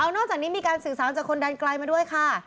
นอกจากนี้มีการสื่อสารจากคนดันไกลมาด้วยค่ะ